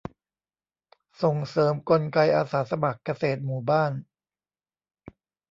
ส่งเสริมกลไกอาสาสมัครเกษตรหมู่บ้าน